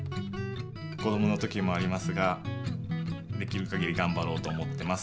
こどもの時もありますができるかぎりがんばろうと思ってます。